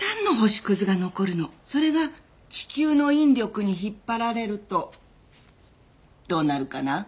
それが地球の引力に引っ張られるとどうなるかな？